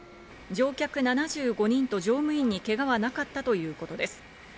乗客７５人と乗務員にけがはなかったということです。